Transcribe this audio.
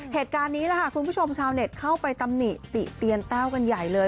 เหตุการณ์นี้ล่ะค่ะคุณผู้ชมชาวเน็ตเข้าไปตำหนิติเตียนแต้วกันใหญ่เลย